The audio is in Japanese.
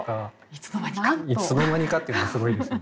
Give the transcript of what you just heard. いつの間にかっていうのがすごいですね。